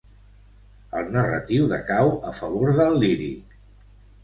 El narratiu decau a favor del líric.